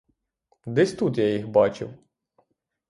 Десь тут я їх бачив!